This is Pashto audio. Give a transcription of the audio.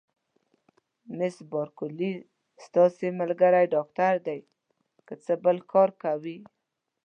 مس بارکلي: ستاسي ملګری ډاکټر دی، که څه بل کار کوي؟